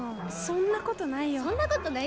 そんなことないよね